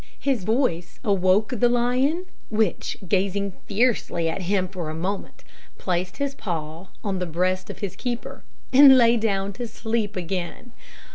His voice awoke the lion, which, gazing fiercely at him for a moment, placed his paw on the breast of his keeper, and lay down to sleep again.